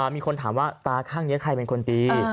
มีคนถามว่าตาข้างนี้ใครเป็นคนตี